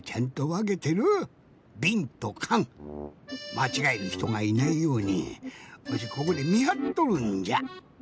まちがえるひとがいないようにわしここでみはっとるんじゃ。